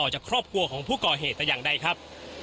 จากครอบครัวของผู้ก่อเหตุแต่อย่างใดครับ